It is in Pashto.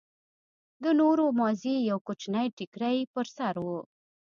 د نورو مازې يو کوچنى ټيکرى پر سر و.